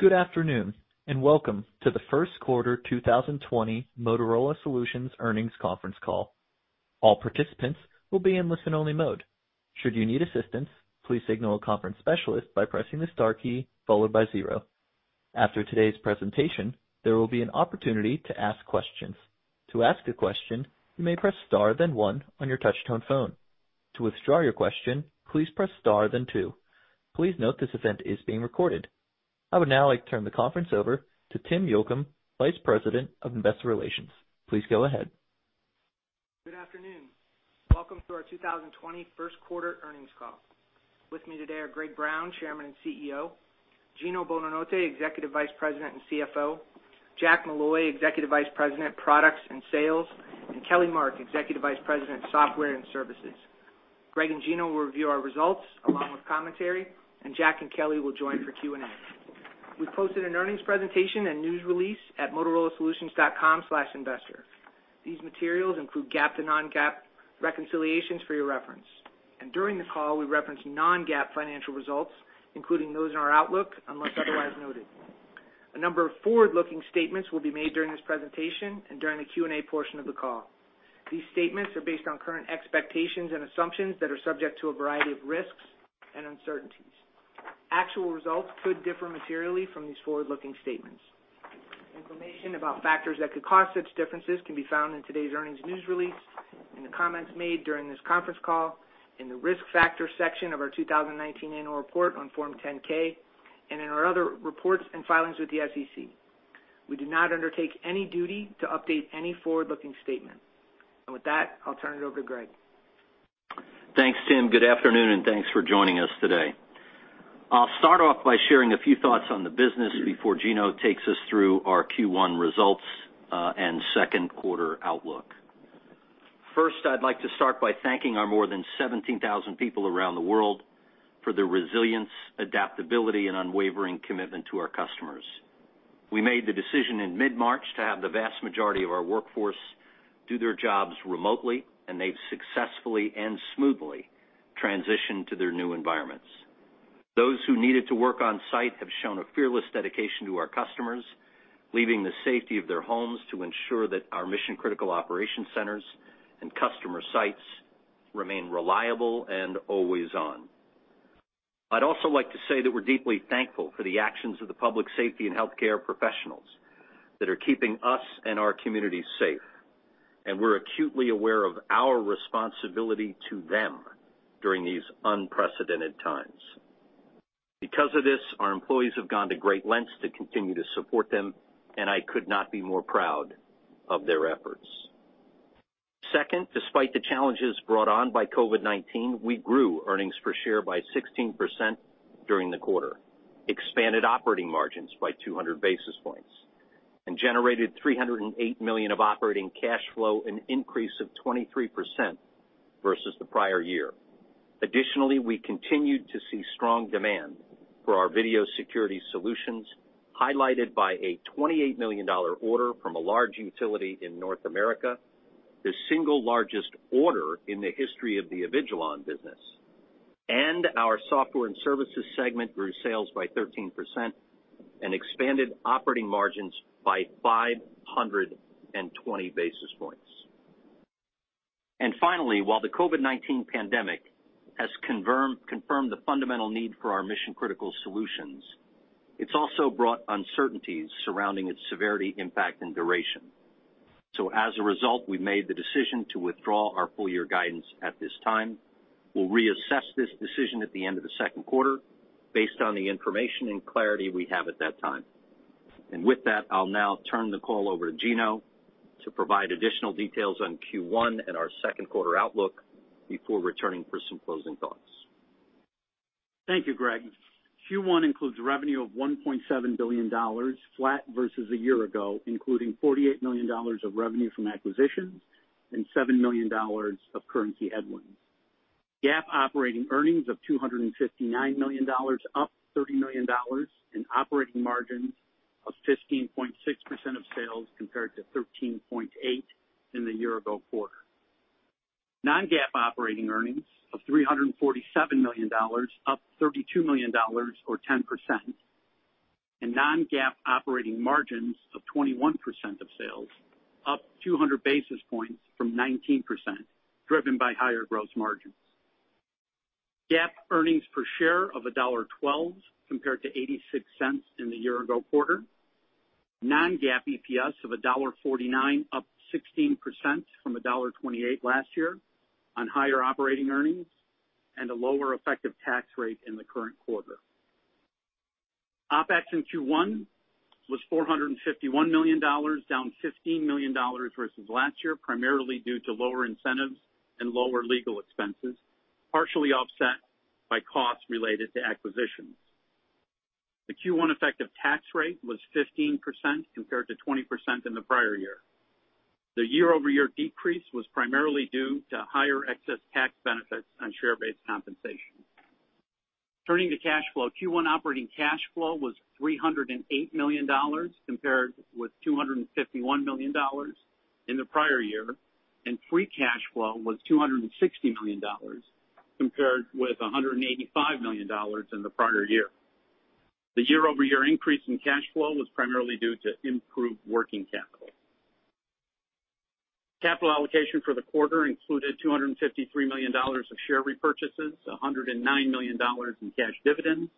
Good afternoon, and welcome to the first quarter 2020 Motorola Solutions earnings conference call. All participants will be in listen-only mode. Should you need assistance, please signal a conference specialist by pressing the star key followed by zero. After today's presentation, there will be an opportunity to ask questions. To ask a question, you may press star then one on your touch-tone phone. To withdraw your question, please press star then two. Please note this event is being recorded. I would now like to turn the conference over to Tim Yocum, Vice President of Investor Relations. Please go ahead. Good afternoon. Welcome to our 2020 first quarter earnings call. With me today are Greg Brown, Chairman and CEO; Gino Bonanotte, Executive Vice President and CFO; Jack Molloy, Executive Vice President, Products and Sales; and Kelly Mark, Executive Vice President, Software and Services. Greg and Gino will review our results along with commentary, and Jack and Kelly will join for Q&A. We posted an earnings presentation and news release at motorolasolutions.com/investor. These materials include GAAP to non-GAAP reconciliations for your reference. During the call, we reference non-GAAP financial results, including those in our outlook, unless otherwise noted. A number of forward-looking statements will be made during this presentation and during the Q&A portion of the call. These statements are based on current expectations and assumptions that are subject to a variety of risks and uncertainties. Actual results could differ materially from these forward-looking statements. Information about factors that could cause such differences can be found in today's earnings news release, in the comments made during this conference call, in the risk factor section of our 2019 annual report on Form 10-K, and in our other reports and filings with the SEC. We do not undertake any duty to update any forward-looking statement. With that, I'll turn it over to Greg. Thanks, Tim. Good afternoon, and thanks for joining us today. I'll start off by sharing a few thoughts on the business before Gino takes us through our Q1 results and second quarter outlook. First, I'd like to start by thanking our more than 17,000 people around the world for their resilience, adaptability, and unwavering commitment to our customers. We made the decision in mid-March to have the vast majority of our workforce do their jobs remotely, and they've successfully and smoothly transitioned to their new environments. Those who needed to work on site have shown a fearless dedication to our customers, leaving the safety of their homes to ensure that our mission-critical operations centers and customer sites remain reliable and always on. I'd also like to say that we're deeply thankful for the actions of the public safety and healthcare professionals that are keeping us and our communities safe, and we're acutely aware of our responsibility to them during these unprecedented times. Because of this, our employees have gone to great lengths to continue to support them, and I could not be more proud of their efforts. Second, despite the challenges brought on by COVID-19, we grew earnings per share by 16% during the quarter, expanded operating margins by 200 basis points, and generated $308 million of operating cash flow, an increase of 23% versus the prior year. Additionally, we continued to see strong demand for our video security solutions, highlighted by a $28 million order from a large utility in North America, the single largest order in the history of the Avigilon business. Our software and services segment grew sales by 13% and expanded operating margins by 520 basis points. Finally, while the COVID-19 pandemic has confirmed the fundamental need for our mission-critical solutions, it has also brought uncertainties surrounding its severity, impact, and duration. As a result, we made the decision to withdraw our full-year guidance at this time. We will reassess this decision at the end of the second quarter based on the information and clarity we have at that time. With that, I will now turn the call over to Gino to provide additional details on Q1 and our second quarter outlook before returning for some closing thoughts. Thank you, Greg. Q1 includes revenue of $1.7 billion, flat versus a year ago, including $48 million of revenue from acquisitions and $7 million of currency headwinds. GAAP operating earnings of $259 million, up $30 million, and operating margins of 15.6% of sales compared to 13.8% in the year-ago quarter. Non-GAAP operating earnings of $347 million, up $32 million, or 10%, and non-GAAP operating margins of 21% of sales, up 200 basis points from 19%, driven by higher gross margins. GAAP earnings per share of $1.12 compared to $0.86 in the year-ago quarter. Non-GAAP EPS of $1.49, up 16% from $1.28 last year on higher operating earnings and a lower effective tax rate in the current quarter. OpEx in Q1 was $451 million, down $15 million versus last year, primarily due to lower incentives and lower legal expenses, partially offset by costs related to acquisitions. The Q1 effective tax rate was 15% compared to 20% in the prior year. The year-over-year decrease was primarily due to higher excess tax benefits on share-based compensation. Turning to cash flow, Q1 operating cash flow was $308 million compared with $251 million in the prior year, and free cash flow was $260 million compared with $185 million in the prior year. The year-over-year increase in cash flow was primarily due to improved working capital. Capital allocation for the quarter included $253 million of share repurchases, $109 million in cash dividends,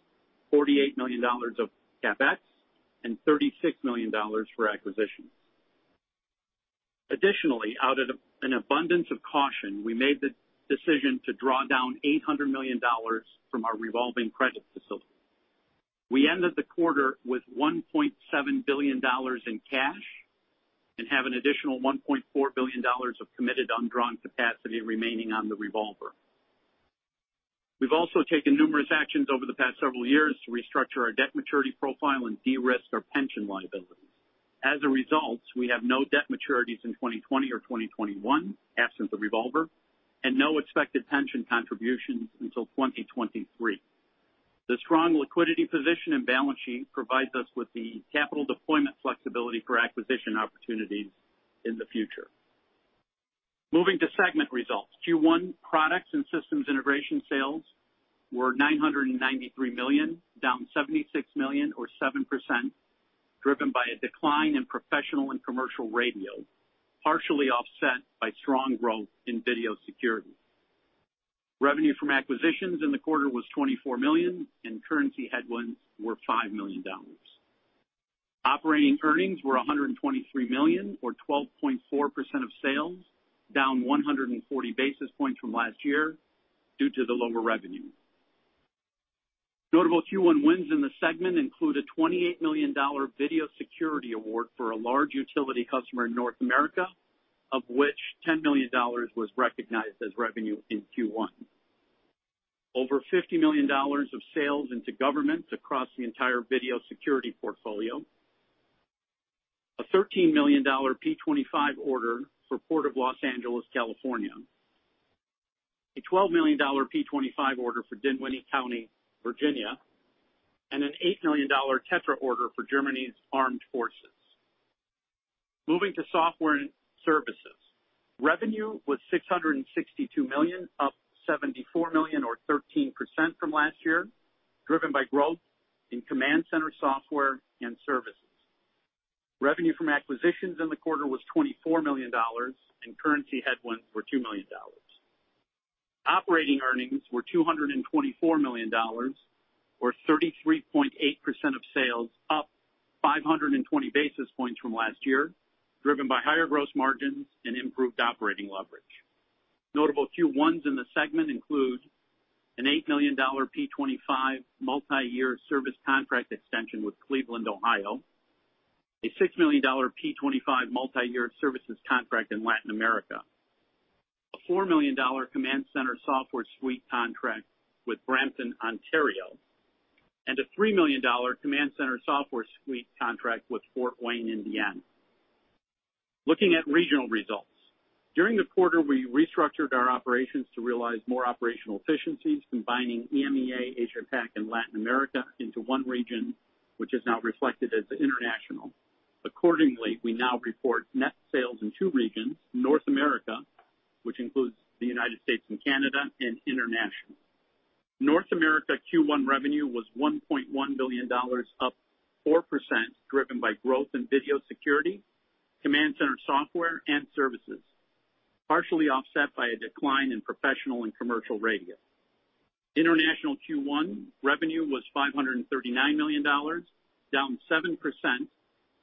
$48 million of CapEx, and $36 million for acquisitions. Additionally, out of an abundance of caution, we made the decision to draw down $800 million from our revolving credit facility. We ended the quarter with $1.7 billion in cash and have an additional $1.4 billion of committed undrawn capacity remaining on the revolver. We've also taken numerous actions over the past several years to restructure our debt maturity profile and de-risk our pension liabilities. As a result, we have no debt maturities in 2020 or 2021 after the revolver and no expected pension contributions until 2023. The strong liquidity position and balance sheet provides us with the capital deployment flexibility for acquisition opportunities in the future. Moving to segment results, Q1 products and systems integration sales were $993 million, down $76 million, or 7%, driven by a decline in professional and commercial radio, partially offset by strong growth in video security. Revenue from acquisitions in the quarter was $24 million, and currency headwinds were $5 million. Operating earnings were $123 million, or 12.4% of sales, down 140 basis points f rom last year due to the lower revenue. Notable Q1 wins in the segment include a $28 million video security award for a large utility customer in North America, of which $10 million was recognized as revenue in Q1. Over $50 million of sales into governments across the entire video security portfolio, a $13 million P25 order for Port of Los Angeles, California, a $12 million P25 order for Dinwiddie County, Virginia, and an $8 million TETRA order for Germany's Armed Forces. Moving to software and services, revenue was $662 million, up $74 million, or 13% from last year, driven by growth in command center software and services. Revenue from acquisitions in the quarter was $24 million, and currency headwinds were $2 million. Operating earnings were $224 million, or 33.8% of sales, up 520 basis points from last year, driven by higher gross margins and improved operating leverage. Notable Q1s in the segment include an $8 million P25 multi-year service contract extension with Cleveland, Ohio, a $6 million P25 multi-year services contract in Latin America, a $4 million command center software suite contract with Brampton, Ontario, and a $3 million command center software suite contract with Fort Wayne, Indiana. Looking at regional results, during the quarter, we restructured our operations to realize more operational efficiencies, combining EMEA, Asia-Pac, and Latin America into one region, which is now reflected as international. Accordingly, we now report net sales in two regions, North America, which includes the United States and Canada, and international. North America Q1 revenue was $1.1 billion, up 4%, driven by growth in video security, command center software, and services, partially offset by a decline in professional and commercial radio. International Q1 revenue was $539 million, down 7%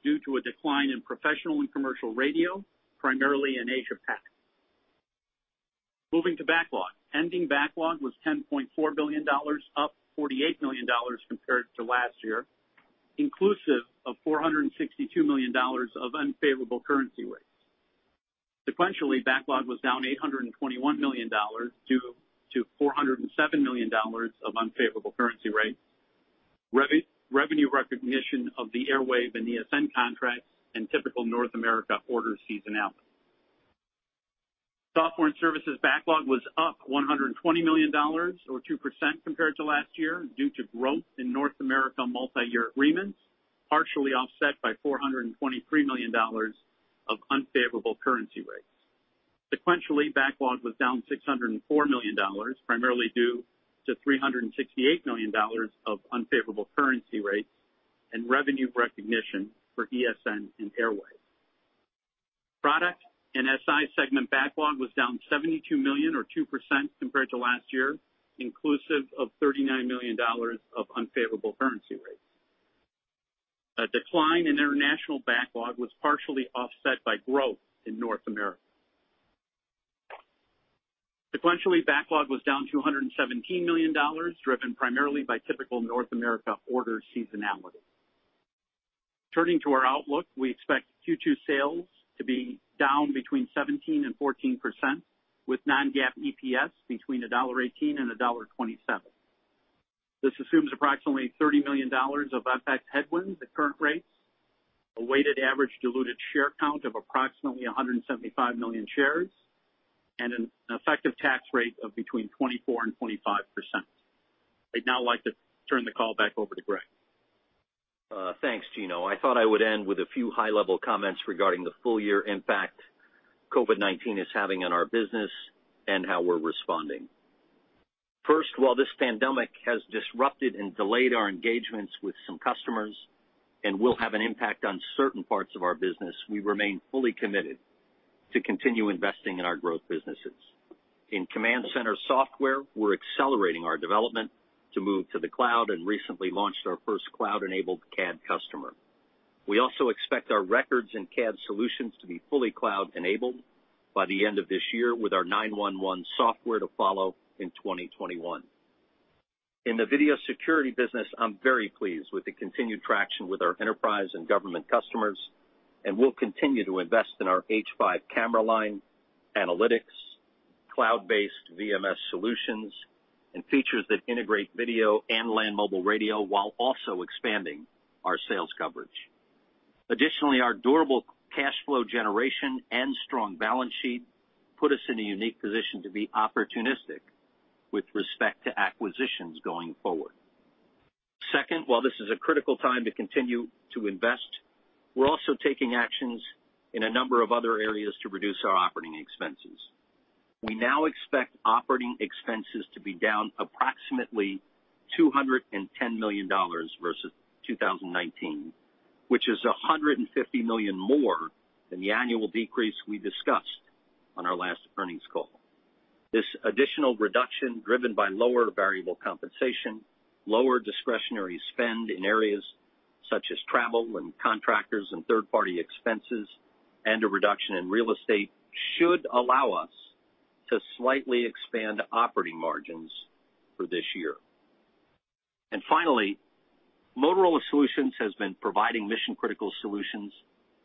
due to a decline in professional and commercial radio, primarily in Asia-Pac. Moving to backlog, ending backlog was $10.4 billion, up $48 million compared to last year, inclusive of $462 million of unfavorable currency rates. Sequentially, backlog was down $821 million due to $407 million of unfavorable currency rate, revenue recognition of the Airwave and ESN contracts, and typical North America order seasonality. Software and services backlog was up $120 million, or 2% compared to last year, due to growth in North America multi-year agreements, partially offset by $423 million of unfavorable currency rates. Sequentially, backlog was down $604 million, primarily due to $368 million of unfavorable currency rates and revenue recognition for ESN and Airwave. Product and SI segment backlog was down $72 million, or 2% compared to last year, inclusive of $39 million of unfavorable currency rates. A decline in international backlog was partially offset by growth in North America. Sequentially, backlog was down $217 million, driven primarily by typical North America order seasonality. Turning to our outlook, we expect Q2 sales to be down between 17% and 14%, with non-GAAP EPS between $1.18 and $1.27. This assumes approximately $30 million of OpEx headwinds at current rates, a weighted average diluted share count of approximately 175 million shares, and an effective tax rate of between 24% and 25%. I'd now like to turn the call back over to Greg. Thanks, Gino. I thought I would end with a few high-level comments regarding the full-year impact COVID-19 is having on our business and how we're responding. First, while this pandemic has disrupted and delayed our engagements with some customers and will have an impact on certain parts of our business, we remain fully committed to continue investing in our growth businesses. In command center software, we're accelerating our development to move to the cloud and recently launched our first cloud-enabled CAD customer. We also expect our records and CAD solutions to be fully cloud-enabled by the end of this year, with our 911 software to follow in 2021. In the video security business, I'm very pleased with the continued traction with our enterprise and government customers, and we'll continue to invest in our H5 camera line, analytics, cloud-based VMS solutions, and features that integrate video and land mobile radio while also expanding our sales coverage. Additionally, our durable cash flow generation and strong balance sheet put us in a unique position to be opportunistic with respect to acquisitions going forward. Second, while this is a critical time to continue to invest, we're also taking actions in a number of other areas to reduce our operating expenses. We now expect operating expenses to be down approximately $210 million versus 2019, which is $150 million more than the annual decrease we discussed on our last earnings call. This additional reduction, driven by lower variable compensation, lower discretionary spend in areas such as travel and contractors and third-party expenses, and a reduction in real estate, should allow us to slightly expand operating margins for this year. Motorola Solutions has been providing mission-critical solutions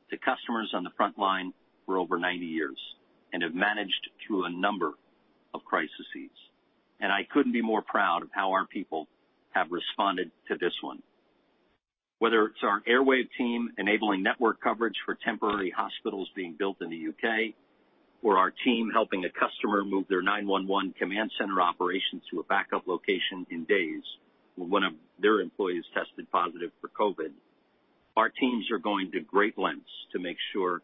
to customers on the front line for over 90 years and have managed to a number of crises. I couldn't be more proud of how our people have responded to this one. Whether it's our Airwave team enabling network coverage for temporary hospitals being built in the U.K., or our team helping a customer move their 911 command center operations to a backup location in days when their employees tested positive for COVID, our teams are going to great lengths to make sure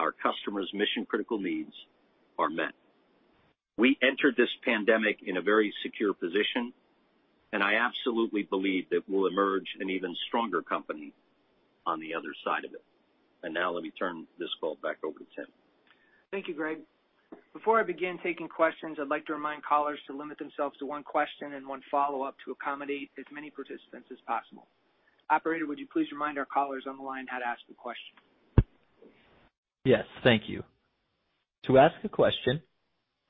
our customers' mission-critical needs are met. We entered this pandemic in a very secure position, and I absolutely believe that we'll emerge an even stronger company on the other side of it. Let me turn this call back over to Tim. Thank you, Greg. Before I begin taking questions, I'd like to remind callers to limit themselves to one question and one follow-up to accommodate as many participants as possible. Operator, would you please remind our callers on the line how to ask the question? Yes, thank you. To ask a question,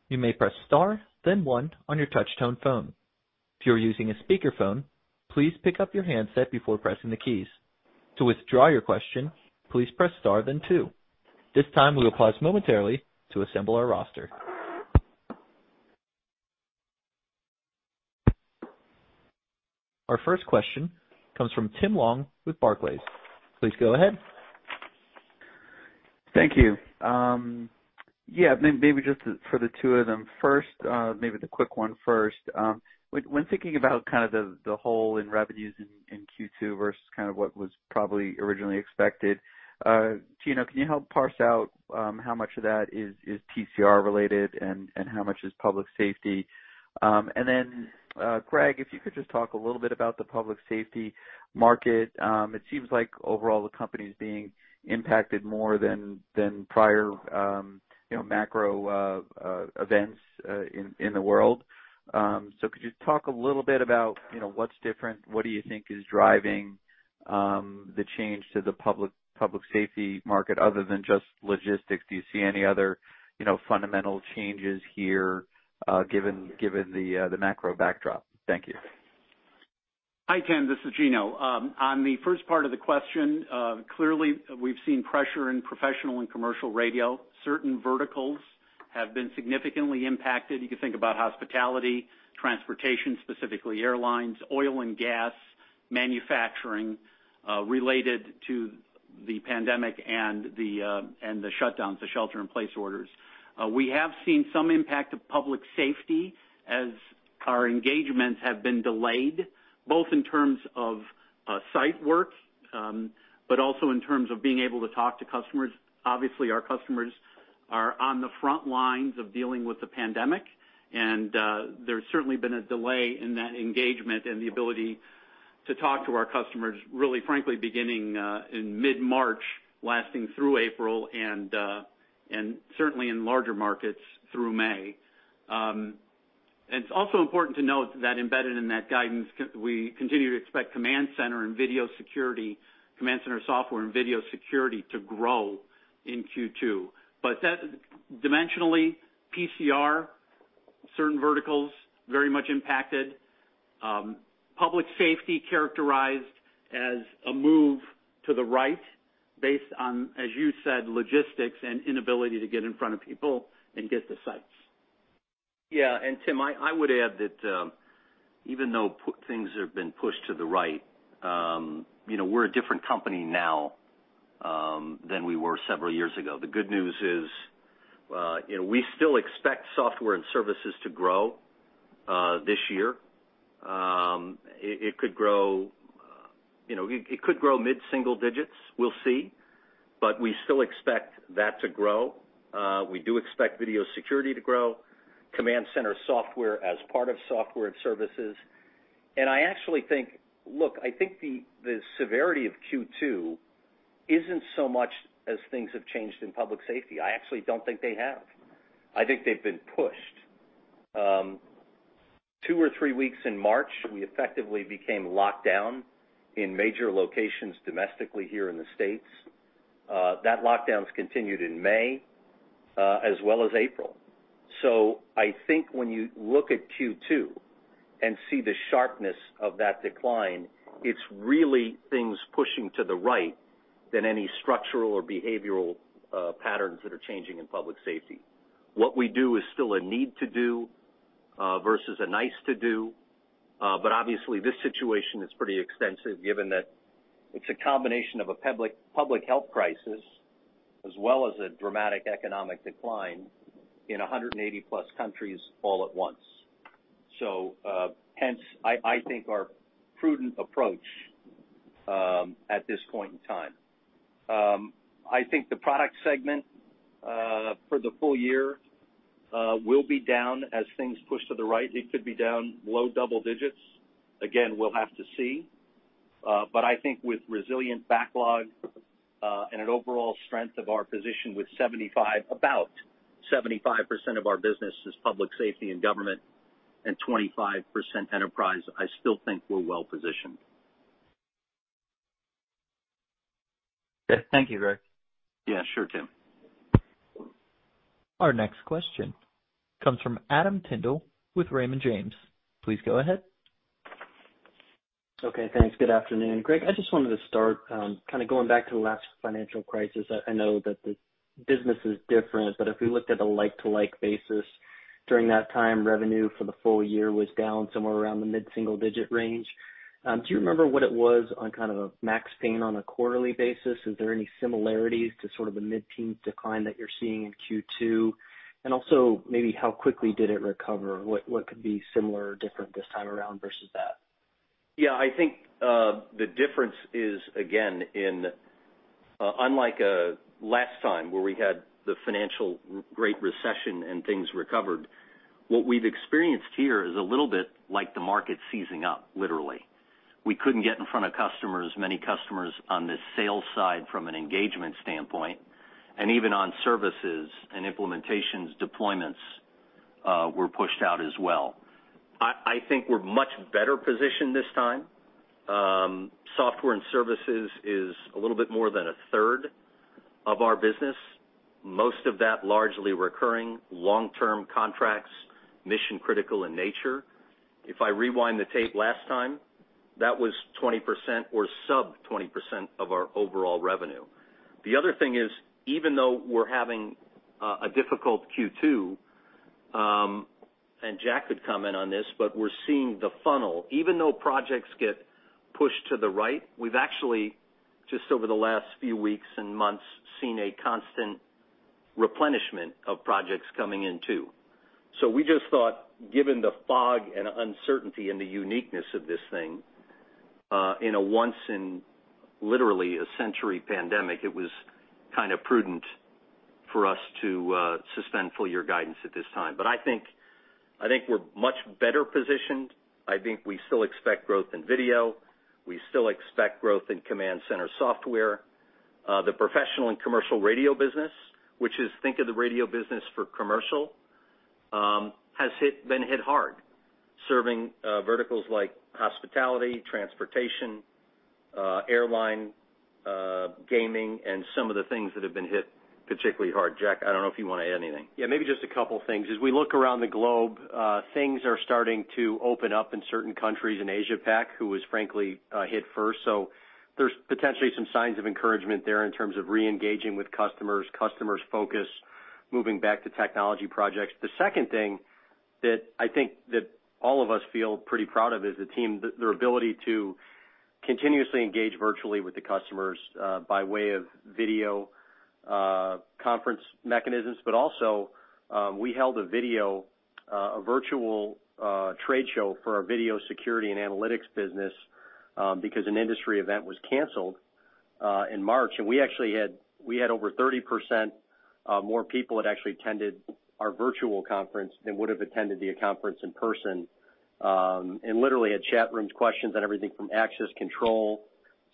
you may press star, then one on your touch-tone phone. If you're using a speakerphone, please pick up your handset before pressing the keys. To withdraw your question, please press star, then two. This time, we will pause momentarily to assemble our roster. Our first question comes from Tim Long with Barclays. Please go ahead. Thank you. Yeah, maybe just for the two of them. First, maybe the quick one first. When thinking about kind of the hole in revenues in Q2 versus kind of what was probably originally expected, Gino, can you help parse out how much of that is PCR-related and how much is public safety? Then, Greg, if you could just talk a little bit about the public safety market. It seems like overall the company is being impacted more than prior macro events in the world. Could you talk a little bit about what's different? What do you think is driving the change to the public safety market other than just logistics? Do you see any other fundamental changes here given the macro backdrop? Thank you. Hi, Tim. This is Gino. On the first part of the question, clearly we've seen pressure in professional and commercial radio. Certain verticals have been significantly impacted. You can think about hospitality, transportation, specifically airlines, oil and gas, manufacturing related to the pandemic and the shutdowns, the shelter-in-place orders. We have seen some impact of public safety as our engagements have been delayed, both in terms of site work, but also in terms of being able to talk to customers. Obviously, our customers are on the front lines of dealing with the pandemic, and there's certainly been a delay in that engagement and the ability to talk to our customers, really frankly, beginning in mid-March, lasting through April, and certainly in larger markets through May. It is also important to note that embedded in that guidance, we continue to expect command center and video security, command center software and video security to grow in Q2. Dimensionally, PCR, certain verticals very much impacted. Public safety characterized as a move to the right based on, as you said, logistics and inability to get in front of people and get to sites. Yeah. Tim, I would add that even though things have been pushed to the right, we're a different company now than we were several years ago. The good news is we still expect software and services to grow this year. It could grow mid-single digits. We'll see. We still expect that to grow. We do expect video security to grow, command center software as part of software and services. I actually think, look, I think the severity of Q2 isn't so much as things have changed in public safety. I actually don't think they have. I think they've been pushed. Two or three weeks in March, we effectively became locked down in major locations domestically here in the United States. That lockdown has continued in May as well as April. I think when you look at Q2 and see the sharpness of that decline, it's really things pushing to the right than any structural or behavioral patterns that are changing in public safety. What we do is still a need-to-do versus a nice-to-do. Obviously, this situation is pretty extensive given that it's a combination of a public health crisis as well as a dramatic economic decline in 180-plus countries all at once. Hence, I think our prudent approach at this point in time. I think the product segment for the full year will be down as things push to the right. It could be down low double digits. Again, we'll have to see. I think with resilient backlog and an overall strength of our position with about 75% of our business as public safety and government and 25% enterprise, I still think we're well positioned. Thank you, Greg. Yeah, sure, Tim. Our next question comes from Adam Tindle with Raymond James. Please go ahead. Okay, thanks. Good afternoon. Greg, I just wanted to start kind of going back to the last financial crisis. I know that the business is different, but if we looked at a like-to-like basis during that time, revenue for the full year was down somewhere around the mid-single digit range. Do you remember what it was on kind of a max pain on a quarterly basis? Is there any similarities to sort of the mid-teen decline that you're seeing in Q2? Also maybe how quickly did it recover? What could be similar or different this time around versus that? Yeah, I think the difference is, again, unlike last time where we had the financial great recession and things recovered, what we've experienced here is a little bit like the market's seizing up, literally. We couldn't get in front of customers, many customers on the sales side from an engagement standpoint. Even on services and implementations, deployments were pushed out as well. I think we're much better positioned this time. Software and services is a little bit more than a third of our business, most of that largely recurring long-term contracts, mission-critical in nature. If I rewind the tape last time, that was 20% or sub-20% of our overall revenue. The other thing is, even though we're having a difficult Q2, and Jack could comment on this, we're seeing the funnel. Even though projects get pushed to the right, we've actually, just over the last few weeks and months, seen a constant replenishment of projects coming in too. We just thought, given the fog and uncertainty and the uniqueness of this thing in a once in literally a century pandemic, it was kind of prudent for us to suspend full-year guidance at this time. I think we're much better positioned. I think we still expect growth in video. We still expect growth in command center software. The professional and commercial radio business, which is think of the radio business for commercial, has been hit hard, serving verticals like hospitality, transportation, airline, gaming, and some of the things that have been hit particularly hard. Jack, I don't know if you want to add anything. Yeah, maybe just a couple of things. As we look around the globe, things are starting to open up in certain countries in Asia-Pac, who was frankly hit first. There are potentially some signs of encouragement there in terms of re-engaging with customers, customers' focus, moving back to technology projects. The second thing that I think that all of us feel pretty proud of is the team, their ability to continuously engage virtually with the customers by way of video conference mechanisms. Also, we held a video, a virtual trade show for our video security and analytics business because an industry event was canceled in March. We actually had over 30% more people that actually attended our virtual conference than would have attended the conference in person and literally had chat rooms, questions, and everything from access control,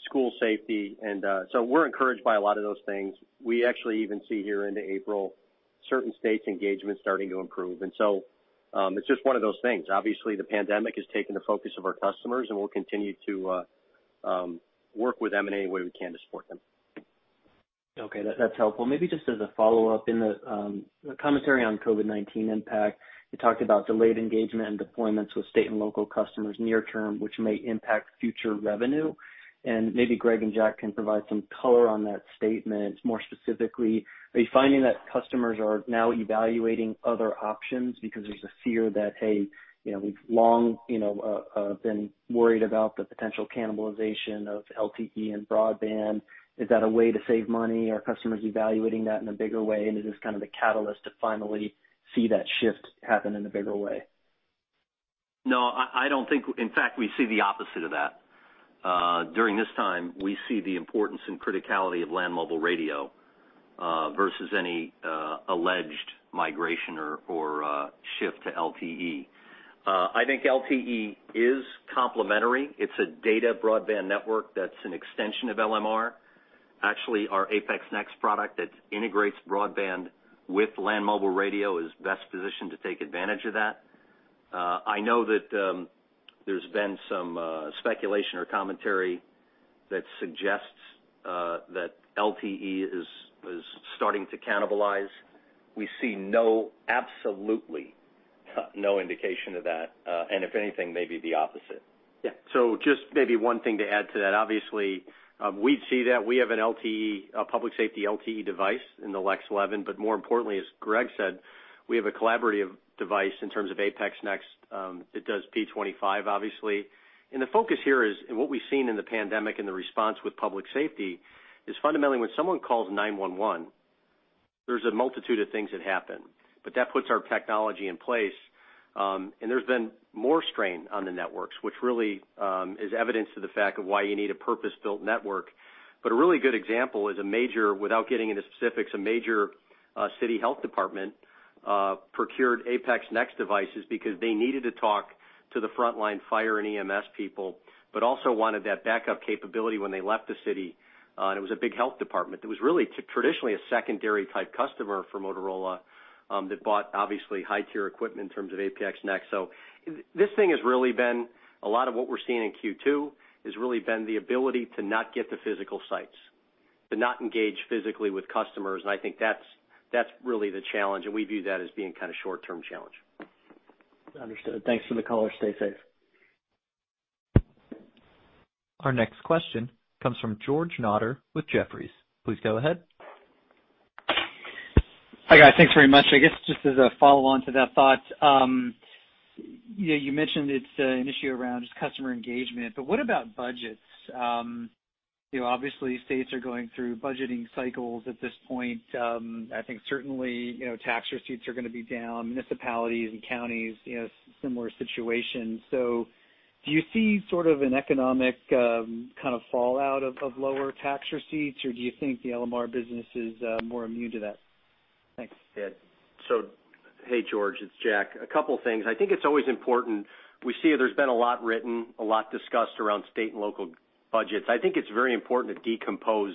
school safety. We are encouraged by a lot of those things. We actually even see here into April, certain states' engagement starting to improve. It is just one of those things. Obviously, the pandemic has taken the focus of our customers, and we will continue to work with them in any way we can to support them. Okay, that's helpful. Maybe just as a follow-up, in the commentary on COVID-19 impact, you talked about delayed engagement and deployments with state and local customers near term, which may impact future revenue. Maybe Greg and Jack can provide some color on that statement more specifically. Are you finding that customers are now evaluating other options because there's a fear that, hey, we've long been worried about the potential cannibalization of LTE and broadband? Is that a way to save money? Are customers evaluating that in a bigger way? Is this kind of a catalyst to finally see that shift happen in a bigger way? No, I don't think. In fact, we see the opposite of that. During this time, we see the importance and criticality of land mobile radio versus any alleged migration or shift to LTE. I think LTE is complementary. It's a data broadband network that's an extension of LMR. Actually, our APX NEXT product that integrates broadband with land mobile radio is best positioned to take advantage of that. I know that there's been some speculation or commentary that suggests that LTE is starting to cannibalize. We see absolutely no indication of that. If anything, maybe the opposite. Yeah. Just maybe one thing to add to that. Obviously, we'd see that. We have a public safety LTE device in the L L11. More importantly, as Greg said, we have a collaborative device in terms of APX NEXT. It does P25, obviously. The focus here is, and what we've seen in the pandemic and the response with public safety is fundamentally, when someone calls 911, there's a multitude of things that happen. That puts our technology in place. There's been more strain on the networks, which really is evidence to the fact of why you need a purpose-built network. A really good example is a major, without getting into specifics, a major city health department procured APX NEXT devices because they needed to talk to the frontline fire and EMS people, but also wanted that backup capability when they left the city. It was a big health department that was really traditionally a secondary-type customer for Motorola that bought, obviously, high-tier equipment in terms of APX NEXT. This thing has really been a lot of what we're seeing in Q2 has really been the ability to not get to physical sites, to not engage physically with customers. I think that's really the challenge. We view that as being kind of a short-term challenge. Understood. Thanks for the call. Stay safe. Our next question comes from George Notter, with Jefferies. Please go ahead. Hi, guys. Thanks very much. I guess just as a follow-on to that thought, you mentioned it's an issue around just customer engagement. What about budgets? Obviously, states are going through budgeting cycles at this point. I think certainly tax receipts are going to be down. Municipalities and counties, similar situation. Do you see sort of an economic kind of fallout of lower tax receipts, or do you think the LMR business is more immune to that? Thanks, Ted. Hey, George, it's Jack. A couple of things. I think it's always important. We see there's been a lot written, a lot discussed around state and local budgets. I think it's very important to decompose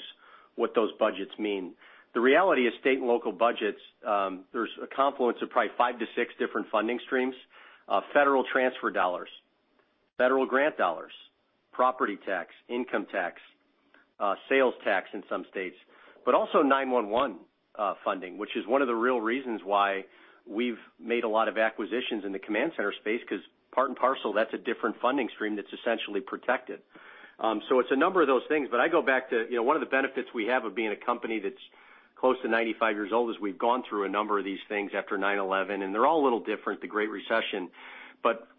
what those budgets mean. The reality is state and local budgets, there's a confluence of probably five to six different funding streams: federal transfer dollars, federal grant dollars, property tax, income tax, sales tax in some states, but also 911 funding, which is one of the real reasons why we've made a lot of acquisitions in the command center space because part and parcel, that's a different funding stream that's essentially protected. It's a number of those things. I go back to one of the benefits we have of being a company that's close to 95 years old is we've gone through a number of these things after 9/11. They're all a little different, the Great Recession.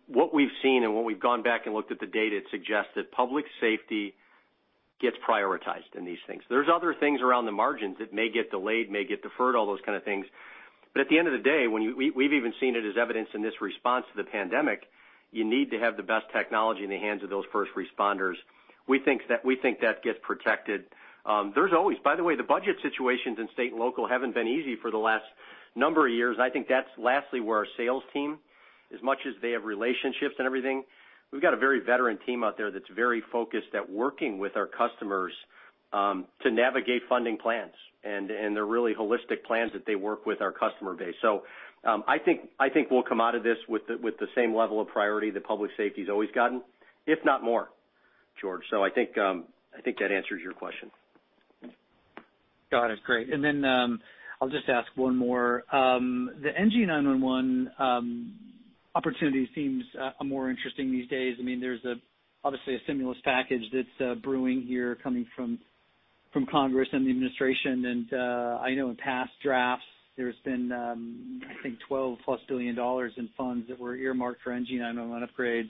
What we've seen and what we've gone back and looked at, the data suggests that public safety gets prioritized in these things. There are other things around the margins that may get delayed, may get deferred, all those kinds of things. At the end of the day, we've even seen it as evidenced in this response to the pandemic, you need to have the best technology in the hands of those first responders. We think that gets protected. By the way, the budget situations in state and local haven't been easy for the last number of years. I think that's lastly where our sales team, as much as they have relationships and everything, we've got a very veteran team out there that's very focused at working with our customers to navigate funding plans. They are really holistic plans that they work with our customer base. I think we will come out of this with the same level of priority that public safety has always gotten, if not more, George. I think that answers your question. Got it. Great. I'll just ask one more. The NG911 opportunity seems more interesting these days. I mean, there's obviously a stimulus package that's brewing here coming from Congress and the administration. I know in past drafts, there's been, I think, $12 billion-plus in funds that were earmarked for NG911 upgrades.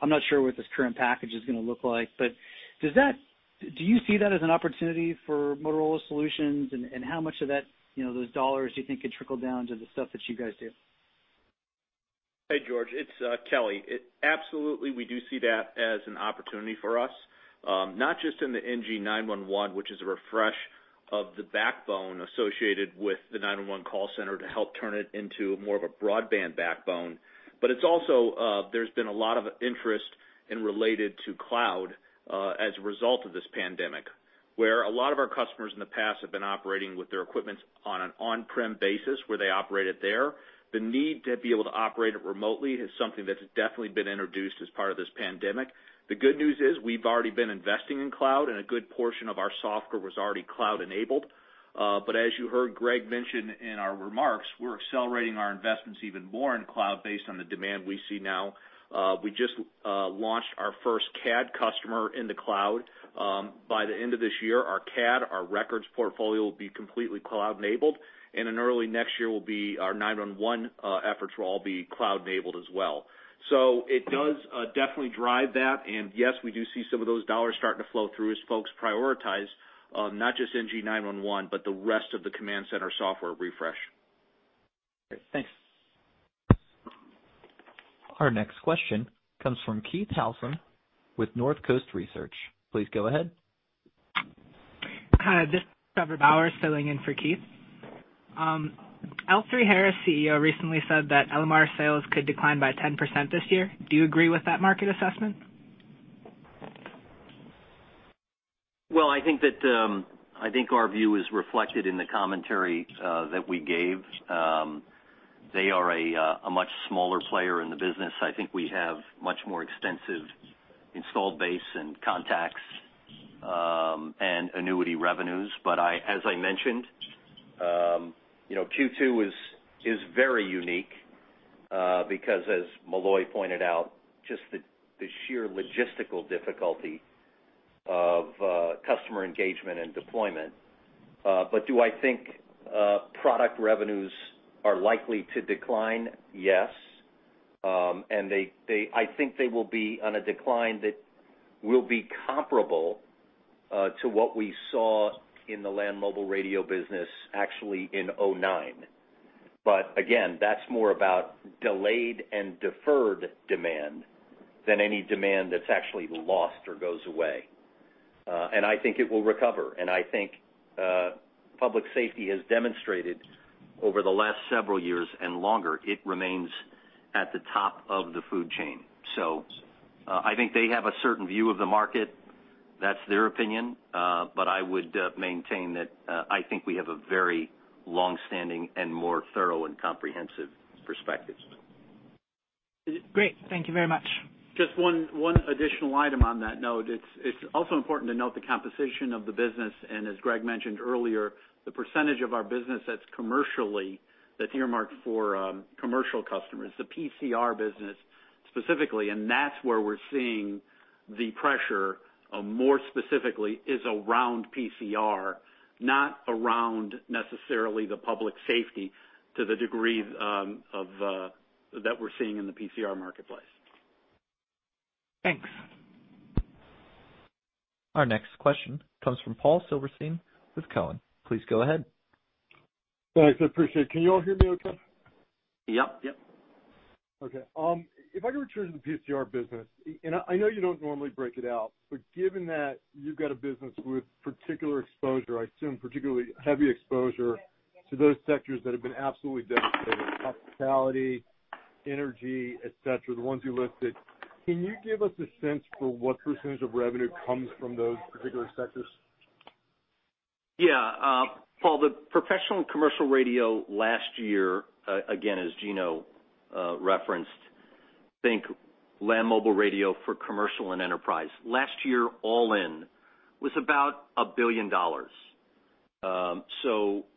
I'm not sure what this current package is going to look like. Do you see that as an opportunity for Motorola Solutions? How much of those dollars do you think could trickle down to the stuff that you guys do? Hey, George, it's Kelly. Absolutely, we do see that as an opportunity for us, not just in the NG911, which is a refresh of the backbone associated with the 911 call center to help turn it into more of a broadband backbone. There has been a lot of interest related to cloud as a result of this pandemic, where a lot of our customers in the past have been operating with their equipment on an on-prem basis where they operate it there. The need to be able to operate it remotely is something that's definitely been introduced as part of this pandemic. The good news is we've already been investing in cloud, and a good portion of our software was already cloud-enabled. As you heard Greg mention in our remarks, we're accelerating our investments even more in cloud based on the demand we see now. We just launched our first CAD customer in the cloud. By the end of this year, our CAD, our records portfolio will be completely cloud-enabled. In early next year, our 911 efforts will all be cloud-enabled as well. It does definitely drive that. Yes, we do see some of those dollars starting to flow through as folks prioritize not just NG911, but the rest of the command center software refresh. Thanks. Our next question comes from Keith Housum with Northcoast Research. Please go ahead. Hi, this is Trevor Bowers filling in for Keith. L3Harris, CEO, recently said that LMR sales could decline by 10% this year. Do you agree with that market assessment? I think our view is reflected in the commentary that we gave. They are a much smaller player in the business. I think we have much more extensive installed base and contacts and annuity revenues. As I mentioned, Q2 is very unique because, as Molloy pointed out, just the sheer logistical difficulty of customer engagement and deployment. Do I think product revenues are likely to decline? Yes. I think they will be on a decline that will be comparable to what we saw in the land mobile radio business actually in 2009. Again, that's more about delayed and deferred demand than any demand that's actually lost or goes away. I think it will recover. I think public safety has demonstrated over the last several years and longer, it remains at the top of the food chain. I think they have a certain view of the market. That's their opinion. I would maintain that I think we have a very long-standing and more thorough and comprehensive perspective. Great. Thank you very much. Just one additional item on that note. It's also important to note the composition of the business. As Greg mentioned earlier, the percentage of our business that's earmarked for commercial customers, the PCR business specifically, and that's where we're seeing the pressure more specifically is around PCR, not around necessarily the public safety to the degree that we're seeing in the PCR marketplace. Thanks. Our next question comes from Paul Silverstein with Cowen. Please go ahead. Thanks. I appreciate it. Can you all hear me okay? Yep. Yep. Okay. If I can return to the PCR business, and I know you don't normally break it out, but given that you've got a business with particular exposure, I assume particularly heavy exposure to those sectors that have been absolutely devastated: hospitality, energy, etc., the ones you listed. Can you give us a sense for what % of revenue comes from those particular sectors? Yeah. Paul, the professional commercial radio last year, again, as Gino referenced, I think land mobile radio for commercial and enterprise, last year all in was about $1 billion.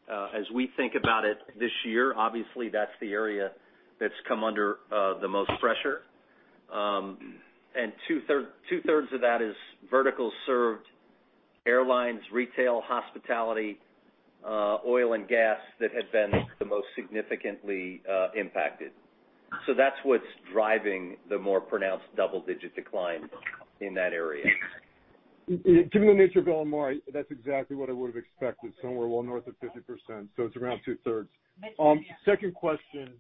As we think about it this year, obviously, that's the area that's come under the most pressure. Two-thirds of that is vertical-served airlines, retail, hospitality, oil, and gas that had been the most significantly impacted. That's what's driving the more pronounced double-digit decline in that area. Given the nature of LMR, that's exactly what I would have expected, somewhere well north of 50%. It's around two-thirds. Second question.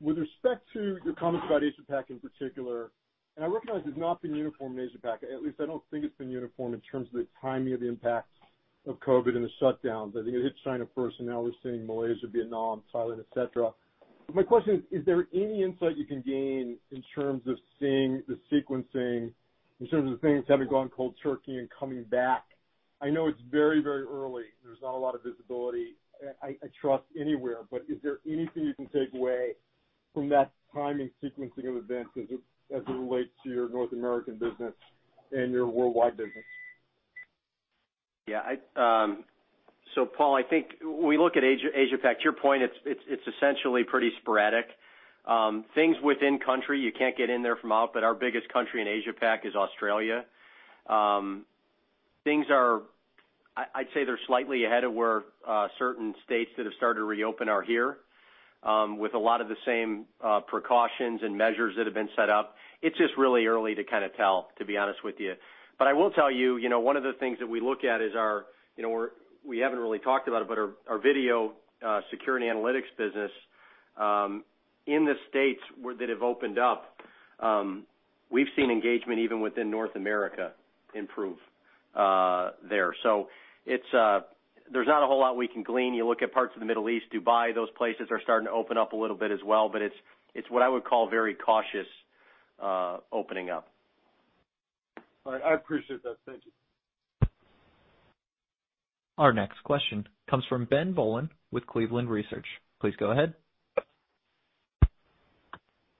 With respect to your comments about Asia-Pac in particular, and I recognize it's not been uniform in Asia-Pac. At least I don't think it's been uniform in terms of the timing of the impact of COVID and the shutdowns. I think it hit China first, and now we're seeing Malaysia, Vietnam, Thailand, etc. My question is, is there any insight you can gain in terms of seeing the sequencing, in terms of things having gone cold turkey and coming back? I know it's very, very early. There's not a lot of visibility, I trust, anywhere. Is there anything you can take away from that timing sequencing of events as it relates to your North American business and your worldwide business? Yeah. Paul, I think when we look at Asia-Pac, to your point, it's essentially pretty sporadic. Things within country, you can't get in there from out. Our biggest country in Asia-Pac is Australia. I'd say they're slightly ahead of where certain states that have started to reopen are here, with a lot of the same precautions and measures that have been set up. It's just really early to kind of tell, to be honest with you. I will tell you, one of the things that we look at is our—we haven't really talked about it, but our video security analytics business in the states that have opened up, we've seen engagement even within North America improve there. There's not a whole lot we can glean. You look at parts of the Middle East, Dubai, those places are starting to open up a little bit as well. It's what I would call very cautious opening up. All right. I appreciate that. Thank you. Our next question comes from Ben Bollin with Cleveland Research. Please go ahead.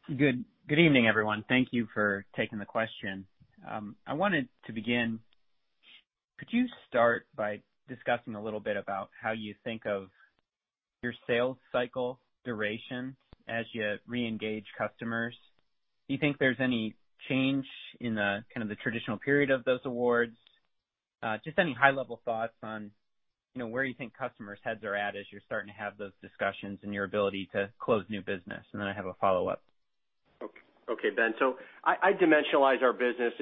Good evening, everyone. Thank you for taking the question. I wanted to begin, could you start by discussing a little bit about how you think of your sales cycle duration as you reengage customers? Do you think there's any change in kind of the traditional period of those awards? Just any high-level thoughts on where you think customers' heads are at as you're starting to have those discussions and your ability to close new business? I have a follow-up. Okay, Ben. I dimensionalize our business.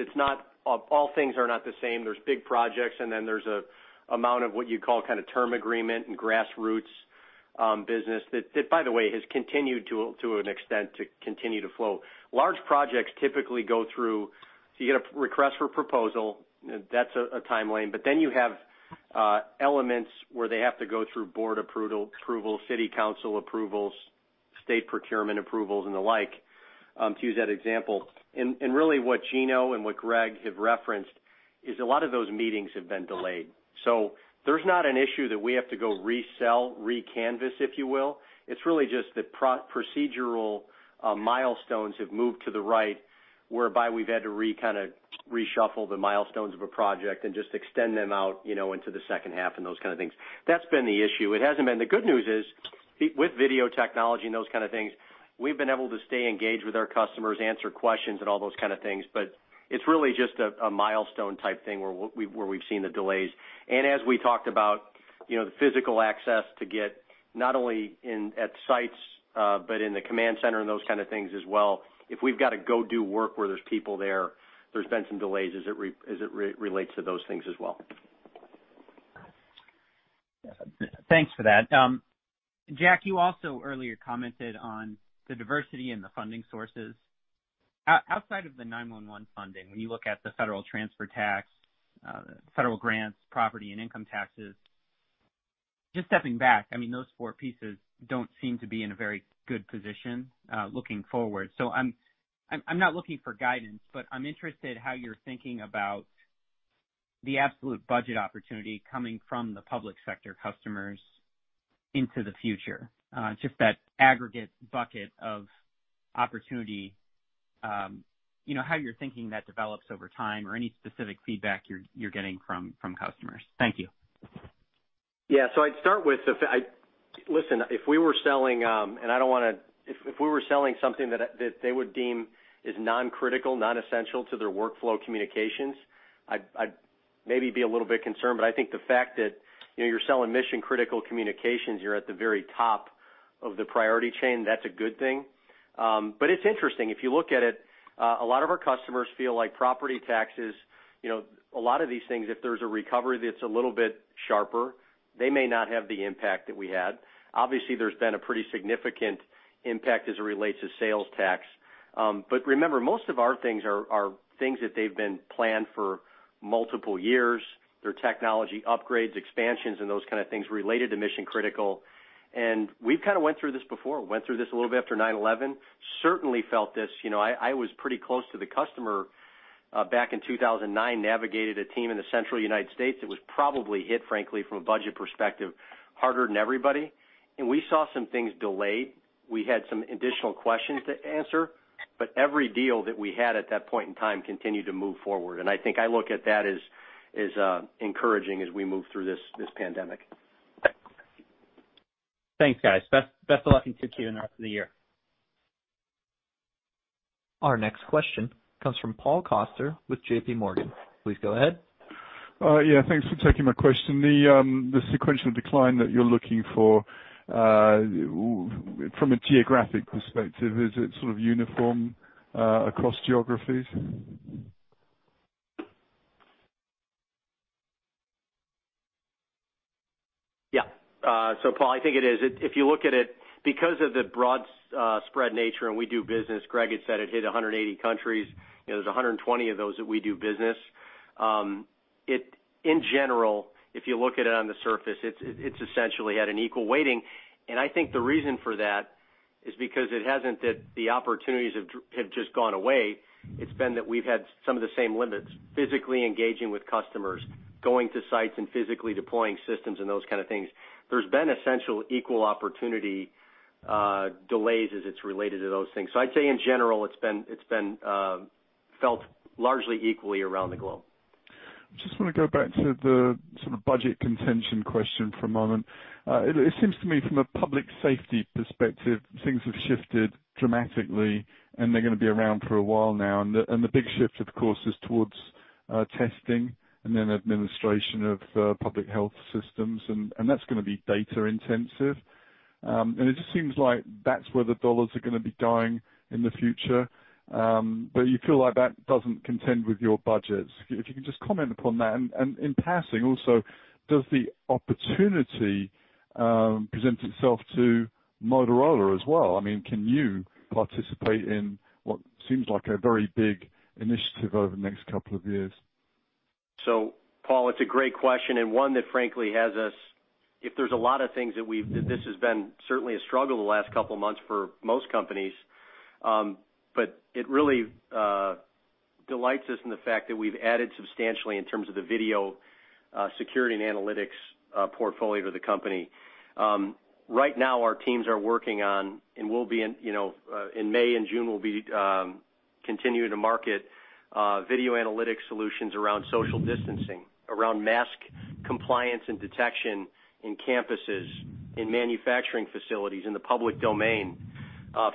All things are not the same. There are big projects, and then there is an amount of what you call kind of term agreement and grassroots business that, by the way, has continued to an extent to continue to flow. Large projects typically go through—you get a request for proposal, that is a timeline. You have elements where they have to go through board approval, city council approvals, state procurement approvals, and the like, to use that example. Really what Gino and what Greg have referenced is a lot of those meetings have been delayed. There is not an issue that we have to go resell, re-canvas, if you will. It's really just that procedural milestones have moved to the right, whereby we've had to kind of reshuffle the milestones of a project and just extend them out into the second half and those kinds of things. That's been the issue. The good news is with video technology and those kinds of things, we've been able to stay engaged with our customers, answer questions, and all those kinds of things. It's really just a milestone-type thing where we've seen the delays. As we talked about the physical access to get not only at sites but in the command center and those kinds of things as well, if we've got to go do work where there's people there, there's been some delays as it relates to those things as well. Thanks for that. Jack, you also earlier commented on the diversity in the funding sources. Outside of the 911 funding, when you look at the federal transfer tax, federal grants, property, and income taxes, just stepping back, I mean, those four pieces do not seem to be in a very good position looking forward. I am not looking for guidance, but I am interested in how you are thinking about the absolute budget opportunity coming from the public sector customers into the future, just that aggregate bucket of opportunity, how you are thinking that develops over time, or any specific feedback you are getting from customers. Thank you. Yeah. I'd start with—listen, if we were selling—and I don't want to—if we were selling something that they would deem is non-critical, non-essential to their workflow communications, I'd maybe be a little bit concerned. I think the fact that you're selling mission-critical communications, you're at the very top of the priority chain, that's a good thing. It's interesting. If you look at it, a lot of our customers feel like property taxes, a lot of these things, if there's a recovery that's a little bit sharper, they may not have the impact that we had. Obviously, there's been a pretty significant impact as it relates to sales tax. Remember, most of our things are things that they've been planned for multiple years, their technology upgrades, expansions, and those kinds of things related to mission-critical. We have kind of went through this before, went through this a little bit after 9/11, certainly felt this. I was pretty close to the customer back in 2009, navigated a team in the central United States that was probably hit, frankly, from a budget perspective, harder than everybody. We saw some things delayed. We had some additional questions to answer. Every deal that we had at that point in time continued to move forward. I think I look at that as encouraging as we move through this pandemic. Thanks, guys. Best of luck and good Q&R for the year. Our next question comes from Paul O'Keefe with JPMorgan. Please go ahead. Yeah. Thanks for taking my question. The sequential decline that you're looking for from a geographic perspective, is it sort of uniform across geographies? Yeah. Paul, I think it is. If you look at it, because of the broad spread nature and we do business, Greg had said it hit 180 countries. There are 120 of those that we do business. In general, if you look at it on the surface, it's essentially had an equal weighting. I think the reason for that is because it hasn't that the opportunities have just gone away. It's been that we've had some of the same limits: physically engaging with customers, going to sites, and physically deploying systems, and those kinds of things. There have been essentially equal opportunity delays as it's related to those things. I'd say, in general, it's been felt largely equally around the globe. I just want to go back to the sort of budget contention question for a moment. It seems to me, from a public safety perspective, things have shifted dramatically, and they're going to be around for a while now. The big shift, of course, is towards testing and then administration of public health systems. That is going to be data-intensive. It just seems like that's where the dollars are going to be going in the future. You feel like that doesn't contend with your budgets. If you can just comment upon that. In passing, also, does the opportunity present itself to Motorola as well? I mean, can you participate in what seems like a very big initiative over the next couple of years? Paul, it's a great question and one that, frankly, has us—if there's a lot of things that we've—this has been certainly a struggle the last couple of months for most companies. It really delights us in the fact that we've added substantially in terms of the video security and analytics portfolio to the company. Right now, our teams are working on, and in May and June, we'll be continuing to market video analytics solutions around social distancing, around mask compliance and detection in campuses, in manufacturing facilities, in the public domain,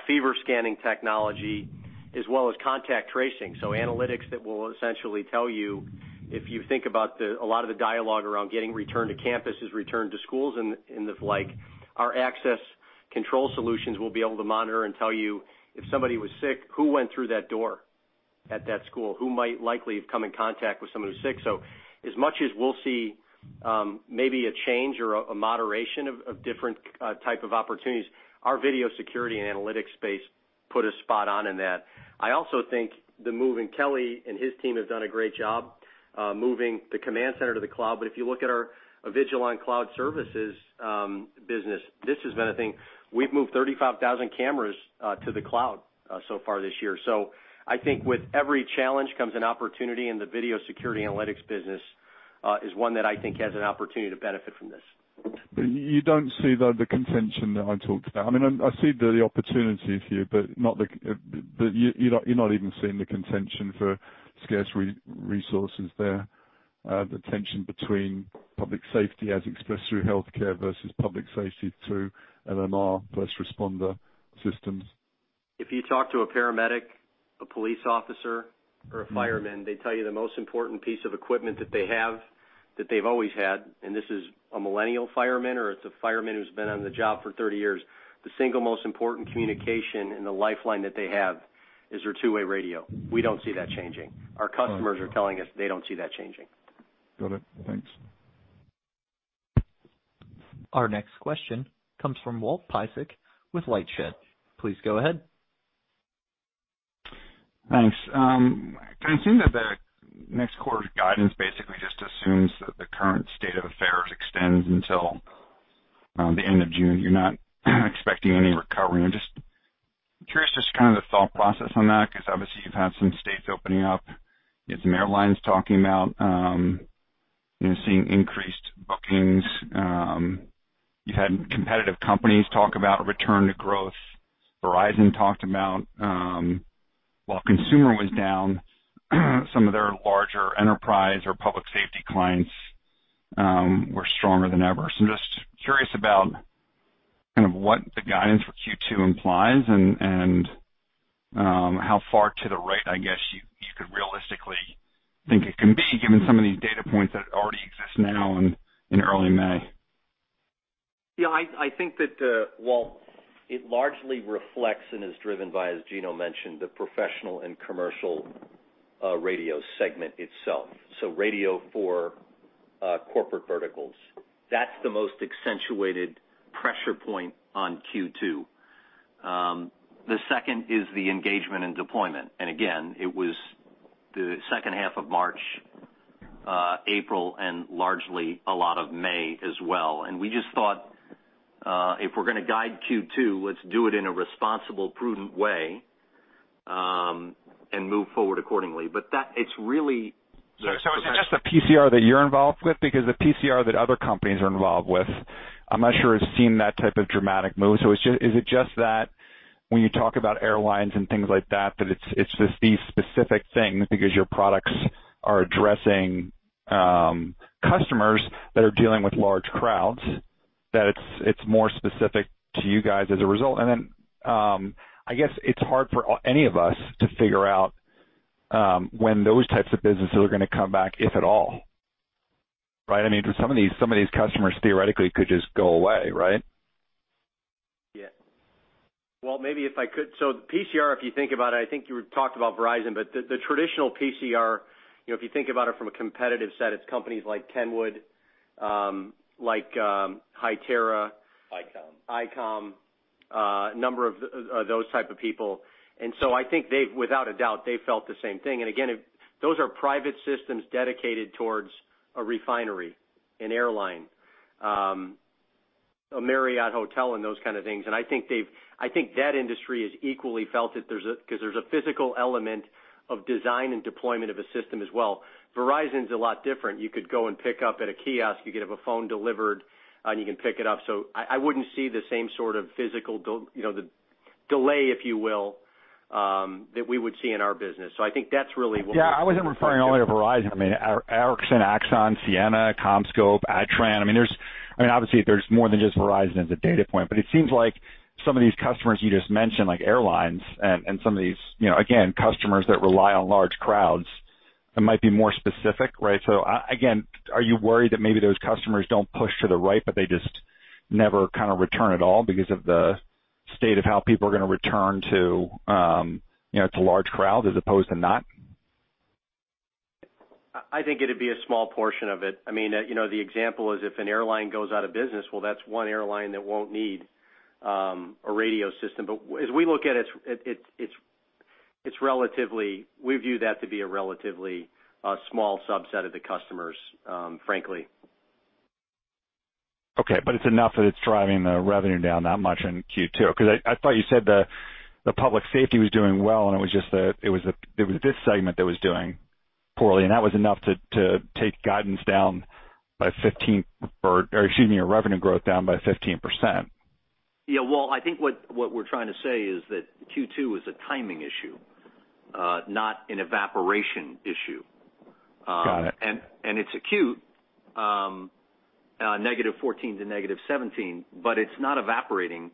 fever scanning technology, as well as contact tracing. Analytics that will essentially tell you if you think about a lot of the dialogue around getting returned to campuses, returned to schools, and the like, our access control solutions will be able to monitor and tell you if somebody was sick, who went through that door at that school, who might likely have come in contact with someone who's sick. As much as we'll see maybe a change or a moderation of different types of opportunities, our video security and analytics space put a spot on in that. I also think the moving—Kelly and his team have done a great job moving the command center to the cloud. If you look at our Avigilon Cloud Services business, this has been a thing. We've moved 35,000 cameras to the cloud so far this year. I think with every challenge comes an opportunity, and the video security analytics business is one that I think has an opportunity to benefit from this. You don't see the contention that I talked about. I mean, I see the opportunity here, but you're not even seeing the contention for scarce resources there, the tension between public safety as expressed through healthcare versus public safety through LMR plus responder systems. If you talk to a paramedic, a police officer, or a fireman, they tell you the most important piece of equipment that they have that they've always had—and this is a millennial fireman or it's a fireman who's been on the job for 30 years—the single most important communication in the lifeline that they have is their two-way radio. We don't see that changing. Our customers are telling us they don't see that changing. Got it. Thanks. Our next question comes from Walt Piecyk with LightShed. Please go ahead. Thanks. Assuming that the next quarter's guidance basically just assumes that the current state of affairs extends until the end of June, you're not expecting any recovery. I'm just curious just kind of the thought process on that because obviously you've had some states opening up. You had some airlines talking about seeing increased bookings. You've had competitive companies talk about return to growth. Verizon talked about while consumer was down, some of their larger enterprise or public safety clients were stronger than ever. I'm just curious about kind of what the guidance for Q2 implies and how far to the right, I guess, you could realistically think it can be given some of these data points that already exist now in early May. Yeah. I think that, it largely reflects and is driven by, as Gino mentioned, the professional and commercial radio segment itself. So radio for corporate verticals. That's the most accentuated pressure point on Q2. The second is the engagement and deployment. It was the second half of March, April, and largely a lot of May as well. We just thought, if we're going to guide Q2, let's do it in a responsible, prudent way and move forward accordingly. It's really. Is it just the PCR that you're involved with? Because the PCR that other companies are involved with, I'm not sure has seen that type of dramatic move. Is it just that when you talk about airlines and things like that, that it's just these specific things because your products are addressing customers that are dealing with large crowds, that it's more specific to you guys as a result? I guess it's hard for any of us to figure out when those types of businesses are going to come back, if at all, right? I mean, some of these customers theoretically could just go away, right? Yeah. Maybe if I could. PCR, if you think about it, I think you talked about Verizon, but the traditional PCR, if you think about it from a competitive set, it's companies like Kenwood, like Hytera. ICOM. ICOM, a number of those types of people. I think, without a doubt, they felt the same thing. Those are private systems dedicated towards a refinery, an airline, a Marriott hotel, and those kinds of things. I think that industry has equally felt it because there is a physical element of design and deployment of a system as well. Verizon's a lot different. You could go and pick up at a kiosk. You could have a phone delivered, and you can pick it up. I would not see the same sort of physical delay, if you will, that we would see in our business. I think that's really what. Yeah. I wasn't referring only to Verizon. I mean, Ericsson, Axon, Ciena, CommScope, Adtran. I mean, obviously, there's more than just Verizon as a data point. It seems like some of these customers you just mentioned, like airlines and some of these, again, customers that rely on large crowds, it might be more specific, right? Again, are you worried that maybe those customers don't push to the right, but they just never kind of return at all because of the state of how people are going to return to a large crowd as opposed to not? I think it'd be a small portion of it. I mean, the example is if an airline goes out of business, well, that's one airline that won't need a radio system. As we look at it, it's relatively—we view that to be a relatively small subset of the customers, frankly. Okay. It is enough that it is driving the revenue down that much in Q2 because I thought you said the public safety was doing well, and it was just that it was this segment that was doing poorly. That was enough to take guidance down by 15%, or, excuse me, your revenue growth down by 15%. Yeah. I think what we're trying to say is that Q2 is a timing issue, not an evaporation issue. Got it. It is acute, -14 to -17, but it is not evaporating.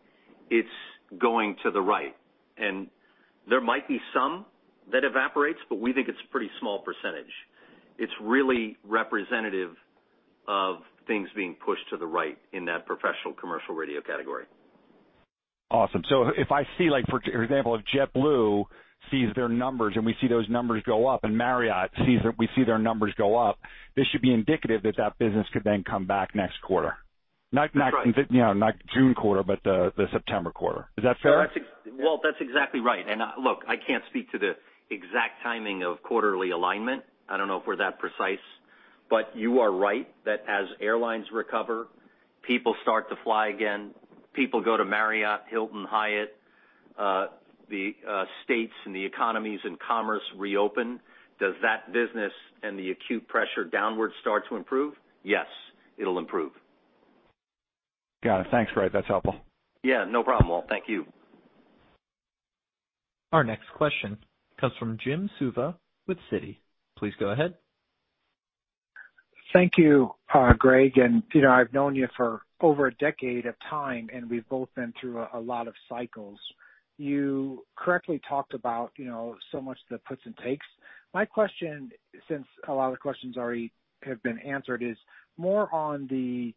It is going to the right. There might be some that evaporates, but we think it is a pretty small percentage. It is really representative of things being pushed to the right in that professional commercial radio category. Awesome. If I see, for example, if JetBlue sees their numbers and we see those numbers go up and Marriott sees that we see their numbers go up, this should be indicative that that business could then come back next quarter. Not June quarter, but the September quarter. Is that fair? That is exactly right. Look, I cannot speak to the exact timing of quarterly alignment. I do not know if we are that precise. You are right that as airlines recover, people start to fly again, people go to Marriott, Hilton, Hyatt. The states and the economies and commerce reopen. Does that business and the acute pressure downward start to improve? Yes, it will improve. Got it. Thanks, Greg. That's helpful. Yeah. No problem, Walt. Thank you. Our next question comes from Jim Suva with Citi. Please go ahead. Thank you, Greg. I have known you for over a decade of time, and we have both been through a lot of cycles. You correctly talked about so much of the puts and takes. My question, since a lot of the questions already have been answered, is more on the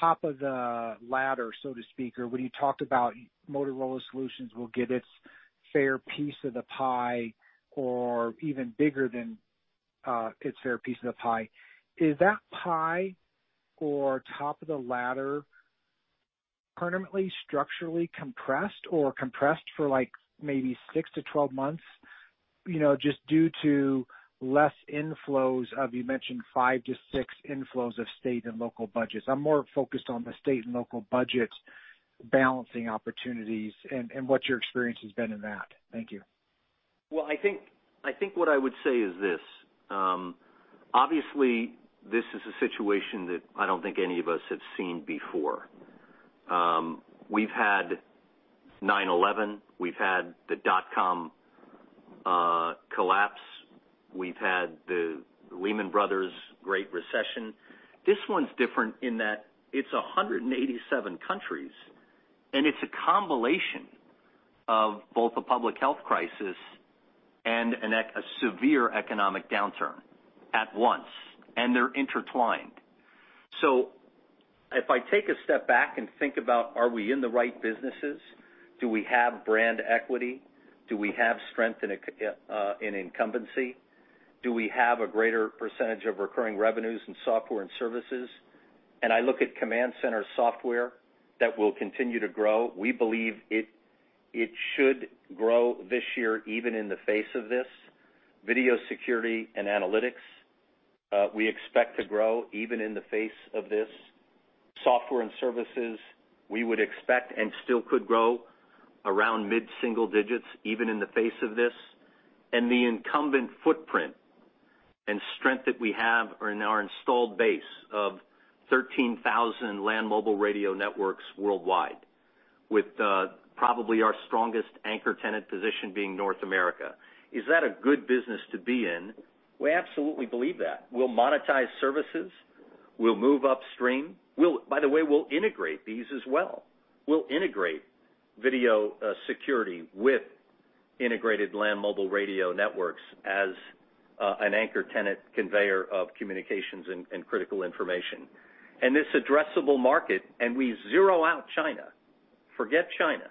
top of the ladder, so to speak, or when you talked about Motorola Solutions will get its fair piece of the pie or even bigger than its fair piece of the pie. Is that pie or top of the ladder permanently structurally compressed or compressed for maybe six to 12 months just due to less inflows of, you mentioned, 5-6 inflows of state and local budgets? I am more focused on the state and local budgets balancing opportunities and what your experience has been in that. Thank you. I think what I would say is this. Obviously, this is a situation that I don't think any of us have seen before. We've had 9/11. We've had the dot-com collapse. We've had the Lehman Brothers great recession. This one's different in that it's 187 countries, and it's a combination of both a public health crisis and a severe economic downturn at once. They're intertwined. If I take a step back and think about, are we in the right businesses? Do we have brand equity? Do we have strength in incumbency? Do we have a greater percentage of recurring revenues in software and services? I look at command center software that will continue to grow. We believe it should grow this year even in the face of this. Video security and analytics, we expect to grow even in the face of this. Software and services, we would expect and still could grow around mid-single digits even in the face of this. The incumbent footprint and strength that we have in our installed base of 13,000 land mobile radio networks worldwide, with probably our strongest anchor tenant position being North America, is that a good business to be in? We absolutely believe that. We'll monetize services. We'll move upstream. By the way, we'll integrate these as well. We'll integrate video security with integrated land mobile radio networks as an anchor tenant conveyor of communications and critical information. This addressable market, and we zero out China, forget China,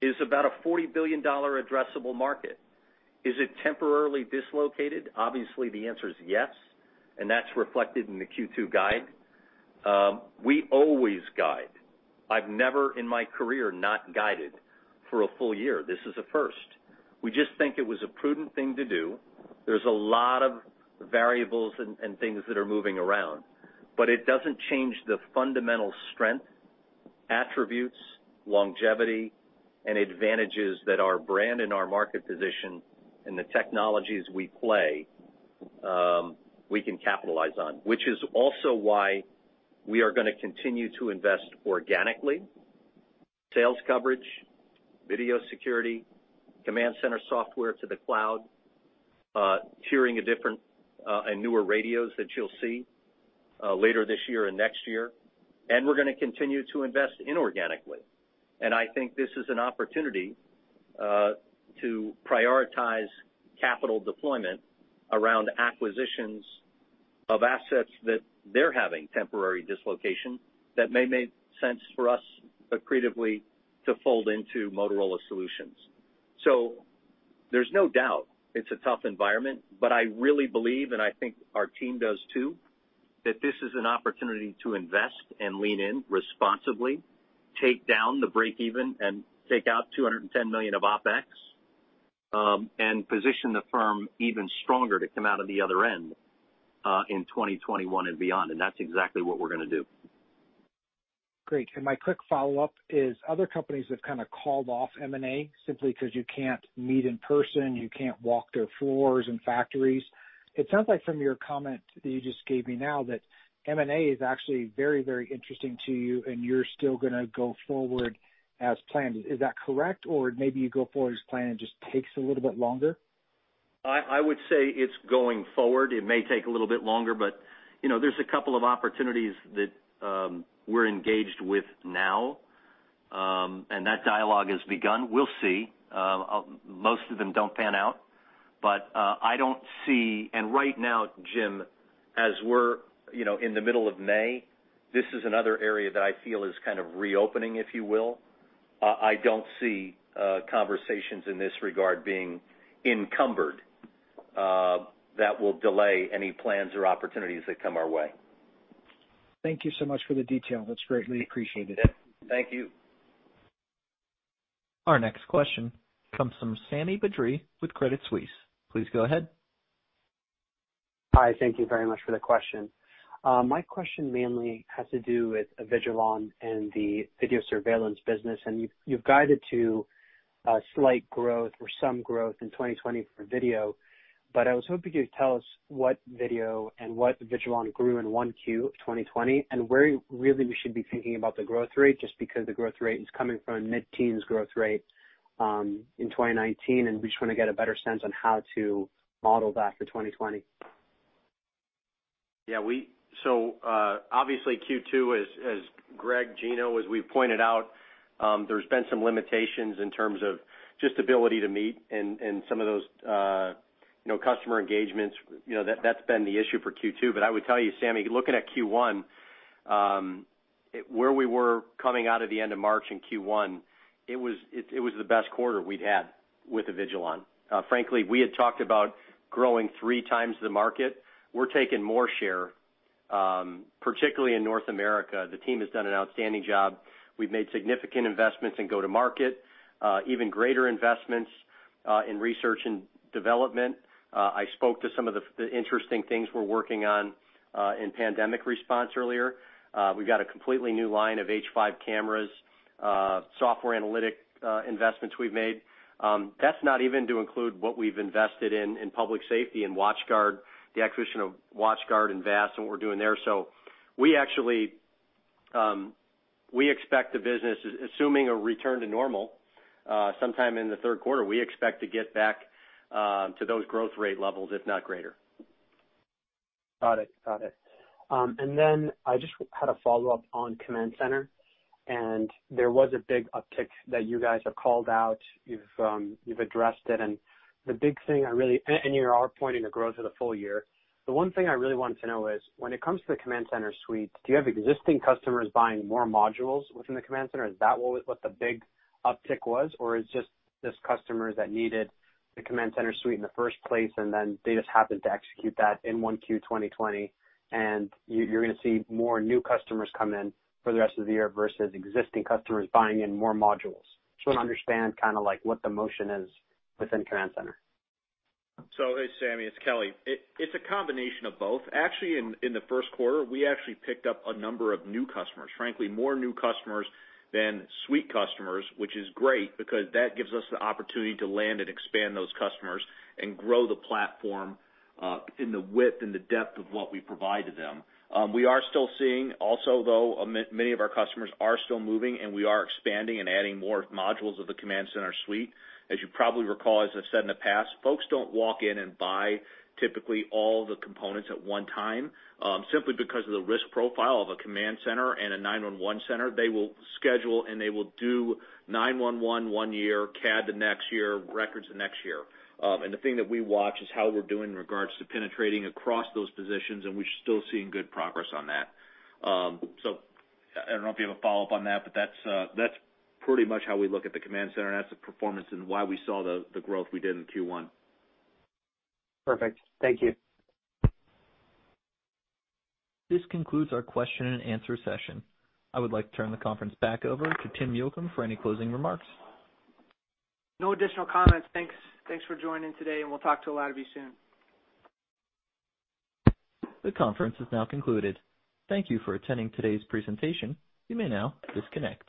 is about a $40 billion addressable market. Is it temporarily dislocated? Obviously, the answer is yes. That is reflected in the Q2 guide. We always guide. I've never in my career not guided for a full year. This is a first. We just think it was a prudent thing to do. There is a lot of variables and things that are moving around. It does not change the fundamental strength, attributes, longevity, and advantages that our brand and our market position and the technologies we play, we can capitalize on, which is also why we are going to continue to invest organically: sales coverage, video security, command center software to the cloud, tiering of different and newer radios that you will see later this year and next year. We are going to continue to invest inorganically. I think this is an opportunity to prioritize capital deployment around acquisitions of assets that are having temporary dislocation that may make sense for us creatively to fold into Motorola Solutions. There is no doubt it's a tough environment, but I really believe, and I think our team does too, that this is an opportunity to invest and lean in responsibly, take down the breakeven, and take out $210 million of OpEx and position the firm even stronger to come out of the other end in 2021 and beyond. That's exactly what we're going to do. Great. My quick follow-up is other companies have kind of called off M&A simply because you cannot meet in person, you cannot walk their floors in factories. It sounds like from your comment that you just gave me now that M&A is actually very, very interesting to you, and you are still going to go forward as planned. Is that correct? Maybe you go forward as planned and it just takes a little bit longer? I would say it's going forward. It may take a little bit longer, but there's a couple of opportunities that we're engaged with now, and that dialogue has begun. We'll see. Most of them don't pan out. I don't see, and right now, Jim, as we're in the middle of May, this is another area that I feel is kind of reopening, if you will. I don't see conversations in this regard being encumbered that will delay any plans or opportunities that come our way. Thank you so much for the detail. That's greatly appreciated. Thank you. Our next question comes from Sami Badri with Credit Suisse. Please go ahead. Hi. Thank you very much for the question. My question mainly has to do with Avigilon and the video surveillance business. You've guided to a slight growth or some growth in 2020 for video. I was hoping you could tell us what video and what Avigilon grew in Q1 of 2020 and where really we should be thinking about the growth rate just because the growth rate is coming from a mid-teens growth rate in 2019, and we just want to get a better sense on how to model that for 2020. Yeah. Obviously, Q2, as Greg, Gino, as we've pointed out, there's been some limitations in terms of just ability to meet and some of those customer engagements. That's been the issue for Q2. I would tell you, Sami, looking at Q1, where we were coming out of the end of March in Q1, it was the best quarter we'd had with Avigilon. Frankly, we had talked about growing three times the market. We're taking more share, particularly in North America. The team has done an outstanding job. We've made significant investments in go-to-market, even greater investments in research and development. I spoke to some of the interesting things we're working on in pandemic response earlier. We've got a completely new line of H5 cameras, software analytic investments we've made. That's not even to include what we've invested in public safety and WatchGuard, the acquisition of WatchGuard and VAS and what we're doing there. We expect the business, assuming a return to normal sometime in the third quarter, we expect to get back to those growth rate levels, if not greater. Got it. Got it. I just had a follow-up on command center. There was a big uptick that you guys have called out. You've addressed it. The big thing I really—and you are pointing to growth of the full year. The one thing I really wanted to know is, when it comes to the command center suite, do you have existing customers buying more modules within the command center? Is that what the big uptick was, or is it just these customers that needed the command center suite in the first place, and they just happened to execute that in Q1 2020? You are going to see more new customers come in for the rest of the year versus existing customers buying in more modules? Just want to understand kind of what the motion is within command center. Hey, Sami, it's Kelly. It's a combination of both. Actually, in the first quarter, we actually picked up a number of new customers, frankly, more new customers than suite customers, which is great because that gives us the opportunity to land and expand those customers and grow the platform in the width and the depth of what we provide to them. We are still seeing also, though, many of our customers are still moving, and we are expanding and adding more modules of the command center suite. As you probably recall, as I've said in the past, folks don't walk in and buy typically all the components at one time simply because of the risk profile of a command center and a 911 center. They will schedule, and they will do 911 one year, CAD the next year, records the next year. The thing that we watch is how we're doing in regards to penetrating across those positions, and we're still seeing good progress on that. I don't know if you have a follow-up on that, but that's pretty much how we look at the command center. That's the performance and why we saw the growth we did in Q1. Perfect. Thank you. This concludes our question and answer session. I would like to turn the conference back over to Tim Yocum for any closing remarks. No additional comments. Thanks for joining today, and we'll talk to a lot of you soon. The conference is now concluded. Thank you for attending today's presentation. You may now disconnect.